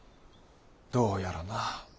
どうやらな。